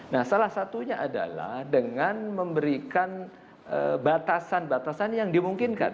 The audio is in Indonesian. nah salah satunya adalah dengan memberikan batasan batasan yang dimungkinkan